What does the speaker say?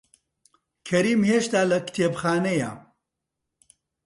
کەریم هێشتا لە کتێبخانەیە.